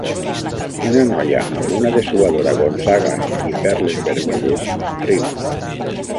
Una noia amb una dessuadora Gonzaga i perles vermelles riu